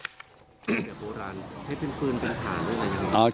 เกี่ยวกับโบราณใช้เป็นพื้นเป็นฐานหรือเป็นอะไรอย่างนั้น